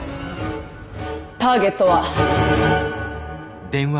ターゲットは。